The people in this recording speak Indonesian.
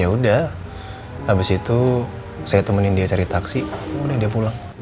ya udah habis itu saya temenin dia cari taksi udah dia pulang